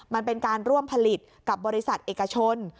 มันเป็นการร่วมผลิตกับบริษัทเอกชน